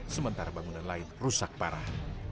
sementara bangunan lain rusak parah